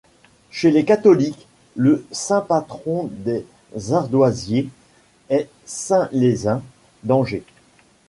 Chez les catholiques, le saint patron des ardoisiers est saint Lézin d'Angers.